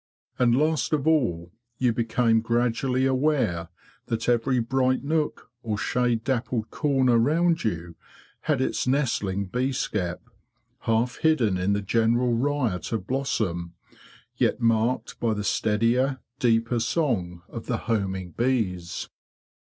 And last of all you became gradually aware that every bright nook or shade dappled corner round you had its nestling bee skep, half hidden in the general riot of blossom, yet marked by the steadier, deeper song of the homing bees.